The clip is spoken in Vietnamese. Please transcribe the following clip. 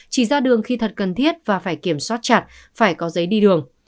chỉ ra đường khi thật cần thiết và phải kiểm soát chặt phải có giấy đi đường